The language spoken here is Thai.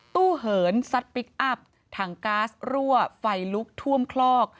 เหินซัดพลิกอัพถังก๊าซรั่วไฟลุกท่วมคลอก